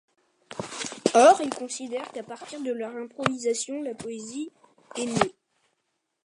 Or, il considère qu'à partir de leurs improvisations la poésie est née.